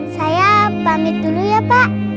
saya pamit dulu ya pak